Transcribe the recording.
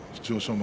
馬